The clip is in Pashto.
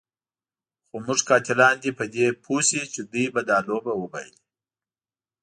خو زموږ قاتلان دې په دې پوه شي چې دوی به دا لوبه وبایلي.